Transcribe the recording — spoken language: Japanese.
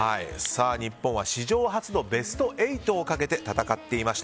日本は史上初のベスト８をかけて戦っていました。